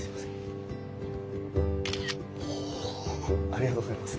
ありがとうございます。